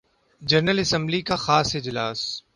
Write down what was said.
general assembly کا خاص اجلاس